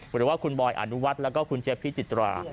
หรือว่าคุณบอยอนุวัฒน์แล้วก็คุณเจฟพิจิตรา